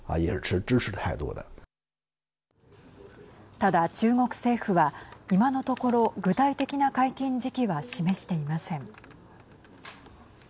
ただ、中国政府は今のところ、具体的な解禁時期は示していません。